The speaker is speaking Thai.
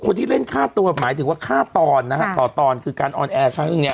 คนที่เล่นฆ่าตัวหมายถึงว่าฆ่าตอนนะฮะต่อตอนคือการออนแอร์ครั้งหนึ่งเนี่ย